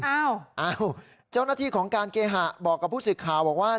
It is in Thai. เอ้าเจ้าหน้าที่ของการเคหาบอกกับผู้สิทธิ์ข่าวว่า